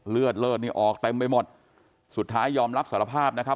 เลือดเลิศนี่ออกเต็มไปหมดสุดท้ายยอมรับสารภาพนะครับ